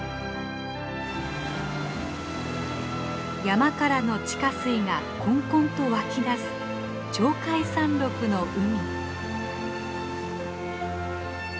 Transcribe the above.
山からの地下水がこんこんと湧き出す鳥海山ろくの海。